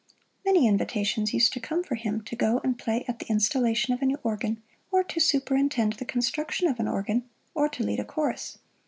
Many invitations used to come for him to go and play at the installation of a new organ, or to superintend the construction of an organ, or to lead a chorus.